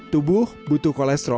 tubuh butuh kolesterol